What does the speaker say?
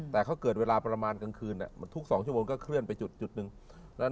แต่เขาเกิดเวลาประมาณกลางคืนทุก๒ชั่วโมงก็เคลื่อนไปจุดหนึ่ง